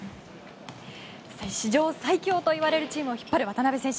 史上最強といわれるチームを引っ張る渡邊選手。